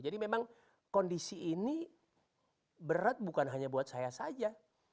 jadi memang kondisi ini berat bukan hanya buat saya saja